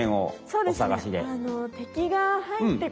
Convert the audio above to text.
そうですね。